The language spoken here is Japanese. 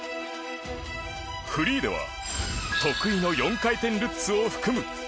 フリーでは得意の４回転ルッツを含む